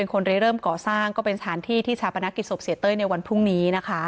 คนได้เริ่มก่อสร้างก็เป็นสถานที่ที่ชาปนกิจศพเสียเต้ยในวันพรุ่งนี้นะคะ